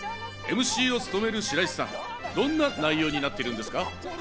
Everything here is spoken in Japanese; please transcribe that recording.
ＭＣを務める白石さん、どんな内容になっているんですか？